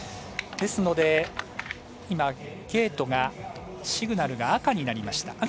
ですので、ゲートがシグナルが赤になりました。